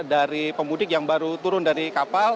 dari pemudik yang baru turun dari kapal